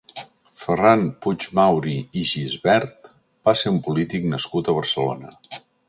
Ferran Puig-Mauri i Gisbert va ser un polític nascut a Barcelona.